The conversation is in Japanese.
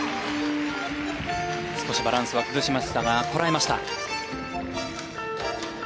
少しバランスは崩しましたがこらえました。